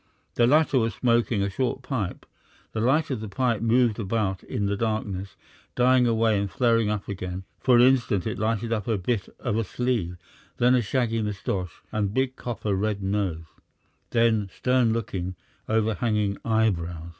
The latter was smoking a short pipe; the light of the pipe moved about in the darkness, dying away and flaring up again; for an instant it lighted up a bit of a sleeve, then a shaggy moustache and big copper red nose, then stern looking, overhanging eyebrows.